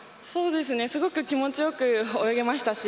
すごく気持ちよく泳げましたし